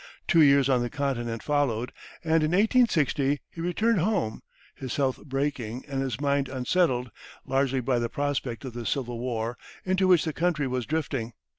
Two years on the continent followed, and in 1860, he returned home, his health breaking and his mind unsettled, largely by the prospect of the Civil War into which the country was drifting.